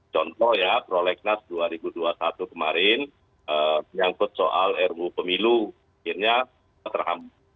contoh ya prolegnas dua ribu dua puluh satu kemarin menyangkut soal ruu pemilu akhirnya terhambat